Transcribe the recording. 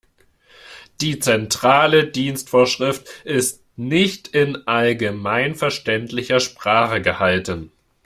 Die Zentrale Dienstvorschrift ist nicht in allgemeinverständlicher Sprache gehalten.